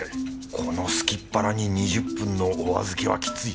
このすきっ腹に２０分のおあずけはきつい！